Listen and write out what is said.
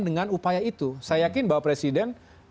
dengan upaya itu saya yakin bahwa presiden